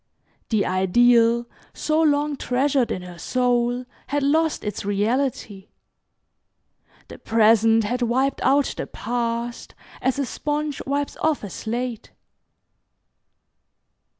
The ideal so long treasured in her soul had lost its reality. The present had wiped out the past as a sponge wipes off a slate.